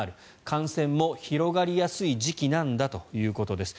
感染も広がりやすい時期なんだということです。